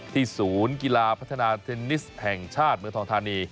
ศูนย์กีฬาพัฒนาเทนนิสแห่งชาติเมืองทองธานี